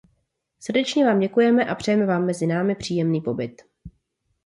Srdečně vám děkujeme a přejeme vám mezi námi příjemný pobyt.